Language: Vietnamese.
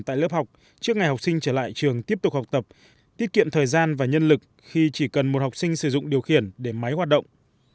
tại lớp học trước ngày học sinh trở lại trường tiếp tục học tập tiết kiệm thời gian và nhân lực khi chỉ cần một học sinh sử dụng điều khiển để máy hoạt động